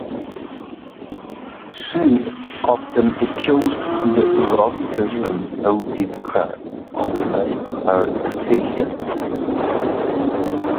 She often accused the wrong person who did the crime, only by her intuition.